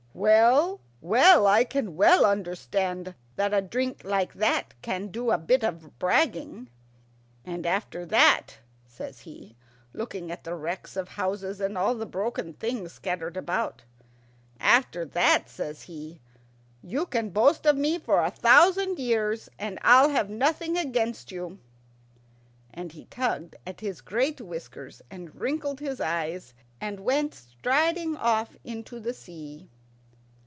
"Well, well, I can well understand that a drink like that can do a bit of bragging. And after that," says he, looking at the wrecks of houses, and all the broken things scattered about "after that," says he, "you can boast of me for a thousand years, and I'll have nothing against you." And he tugged at his great whiskers, and wrinkled his eyes, and went striding off into the sea.